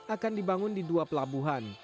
akan dibangun di dua pelabuhan